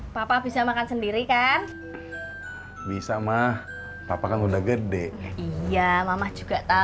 sampai jumpa di video selanjutnya